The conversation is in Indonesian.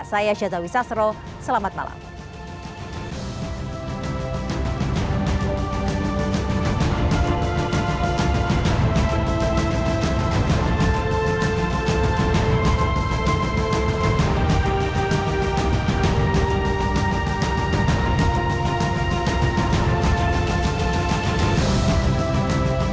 saya shazawi sasro selamat malam